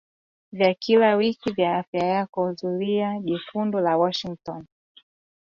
vya kila wiki vya Afya Yako, Zulia Jekundu na Washington